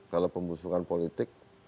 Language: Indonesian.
kalau pembusukan politik